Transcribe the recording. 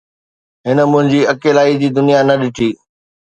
هن منهنجي اڪيلائي جي دنيا نه ڏٺي